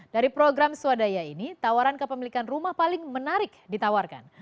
dari program swadaya ini tawaran kepemilikan rumah paling menarik ditawarkan